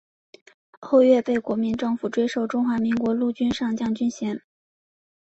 后岳被国民政府追授中华民国陆军上将军衔。